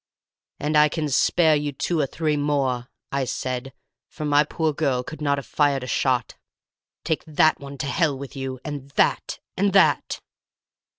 "'And I can spare you two or three more,' I said, for my poor girl could not have fired a shot. 'Take that one to hell with you—and that—and that!